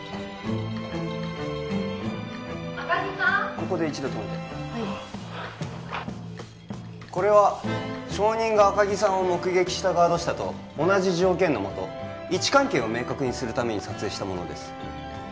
ここで一度止めてはいこれは証人が赤木さんを目撃したガード下と同じ条件の下位置関係を明確にするために撮影したものです